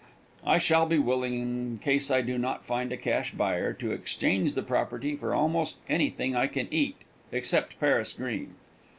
I shall be willing, in case I do not find a cash buyer, to exchange the property for almost anything I can eat, except Paris green.